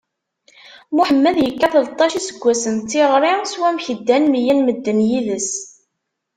Muḥemmed yekka tleṭṭac iseggasen d tiɣri s wamek ddan mya n medden yid-s.